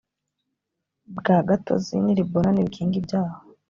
bwa gatozi n i libuna n ibikingi byaho